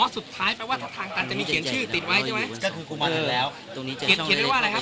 อ๋อสุดท้ายแปลว่าทางตันจะมีเขียนชื่อติดไว้ใช่ไหม